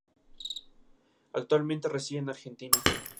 Actualmente reside en Argentina.